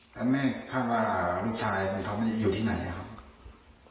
แต่แม่คิดว่าลูกชายคุณเขาอยู่ที่ไหนนะครับ